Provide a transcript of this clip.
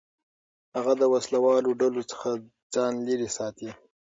هغه د وسلهوالو ډلو څخه ځان لېرې ساتي.